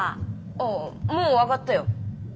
ああもう上がったよ。